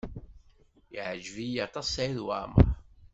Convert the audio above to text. Yeɛjeb-iyi aṭas Saɛid Waɛmaṛ.